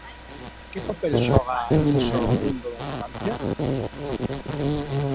Que papel xoga niso o mundo da infancia?